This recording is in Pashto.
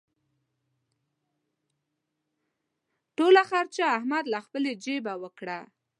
ټوله خرچه احمد له خپلې جېبه وکړه.